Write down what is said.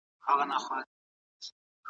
سلیم فطرت د بریا لاره ده.